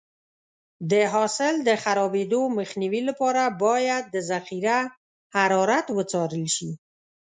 د حاصل د خرابېدو مخنیوي لپاره باید د ذخیره حرارت وڅارل شي.